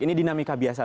ini dinamika biasa